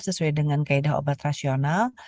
sesuai dengan kaedah obat rasional